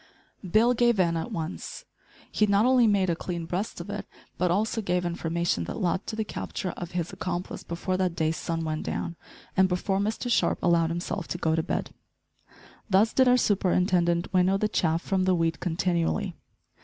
Bill gave in at once! He not only made "a clean breast of it," but also gave information that led to the capture of his accomplice before that day's sun went down, and before Mr Sharp allowed himself to go to bed. Thus did our superintendent winnow the chaff from the wheat continually.